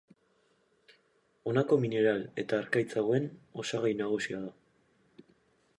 Honako mineral eta harkaitz hauen osagai nagusia da.